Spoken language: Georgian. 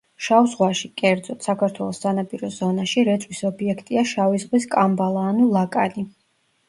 შავ ზღვაში, კერძოდ, საქართველოს სანაპირო ზონაში, რეწვის ობიექტია შავი ზღვის კამბალა ანუ ლაკანი.